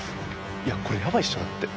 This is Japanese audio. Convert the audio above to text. いやこれヤバいっしょだって。